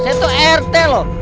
saya itu rt loh